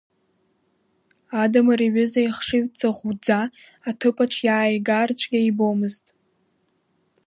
Адамыр иҩыза ихшыҩ ҵыӷәӷәӡа аҭыԥаҿ иааигар цәгьа ибомызт.